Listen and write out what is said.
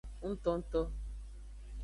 Ngtongto.